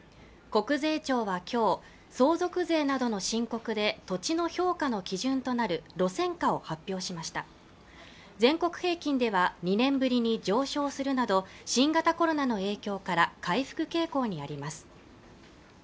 国税庁は今日相続税などの申告で土地の評価の基準となる路線価を発表しました全国平均では２年ぶりに上昇するなど新型コロナの影響から回復傾向にあります